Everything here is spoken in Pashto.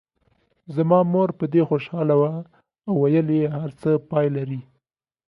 زما مور په دې خوشاله وه او ویل یې هر څه پای لري.